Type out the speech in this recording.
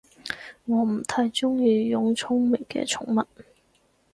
我唔太鍾意養聰明嘅寵物